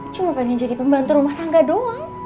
cuma pengen jadi pembantu rumah tangga doang